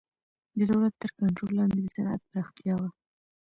د دولت تر کنټرول لاندې د صنعت پراختیا و.